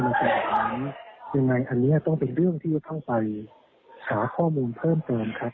อย่างไรอันเนี้ยต้องเป็นเรื่องที่จะเข้าไปหาข้อมูลเพิ่มเติมครับ